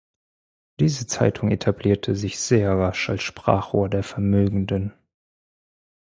Diese Zeitung etablierte sich sehr rasch als Sprachrohr der Vermögenden.